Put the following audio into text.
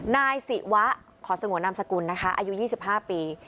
นายศิวะขอสงวนนามสกุลนะคะอายุ๒๕ปี